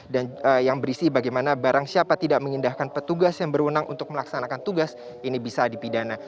dan yang berisi bagaimana barang siapa tidak mengindahkan petugas yang berwenang untuk melaksanakan tugas ini bisa dipidana